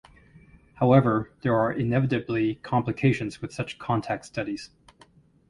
However, there are inevitably complications with such contact studies.